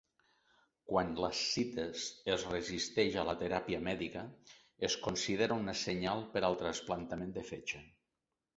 Quan l'ascites es resisteix a la teràpia mèdica es considera una senyal per al trasplantament de fetge.